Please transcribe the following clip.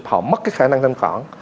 họ mất khả năng thanh khoản